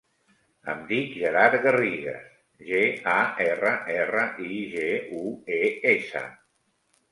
Em dic Gerard Garrigues: ge, a, erra, erra, i, ge, u, e, essa.